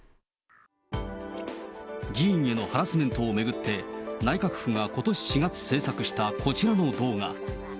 議員へのハラスメントを巡って、内閣府がことし４月制作したこちらの動画。